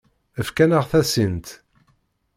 Efk-aneɣ-d tasint.